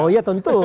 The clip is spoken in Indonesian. oh ya tentu